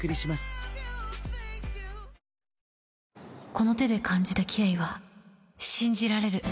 この手で感じたキレイは信じられる。